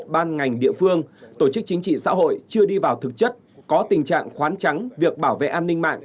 ban ngành địa phương tổ chức chính trị xã hội chưa đi vào thực chất có tình trạng khoán trắng việc bảo vệ an ninh mạng